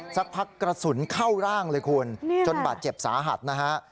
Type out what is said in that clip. สักพักกระสุนเข้าร่างเลยคุณจนบาดเจ็บสาหัสนะฮะ